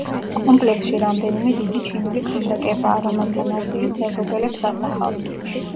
კომპლექსში რამდენიმე დიდი ჩინური ქანდაკებაა, რომელთა ნაწილიც ევროპელებს ასახავს.